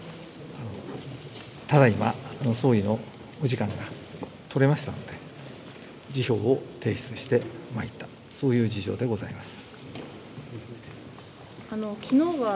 そのため、ただいま、総理のお時間が取れましたので、辞表を提出してまいった、そういう事情でございます。